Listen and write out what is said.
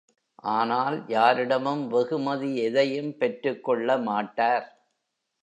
ஆனால் யாரிடமும் வெகுமதி எதையும் பெற்றுக் கொள்ள மாட்டார்.